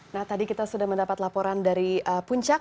nah tadi kita sudah mendapat laporan dari puncak